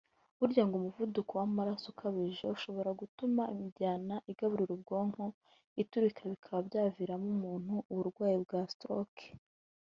Burya ngo umuvuduko w’amaraso ukabije ushobora gutuma imijyana igaburira ubwonko iturika bikaba byaviramo umuntu uburwayi bwa stroke